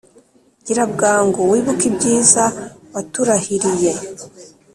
Gira bwangu, wibuke ibyiza waturahiriye,